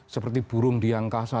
seperti burung di angkasa